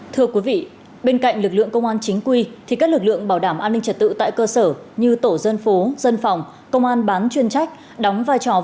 thưa quý vị bên cạnh lực lượng công an chính quy thì các lực lượng bảo đảm an ninh trật tự tại cơ sở như tổ dân phố dân phòng công an bán chuyên trách đóng vai trò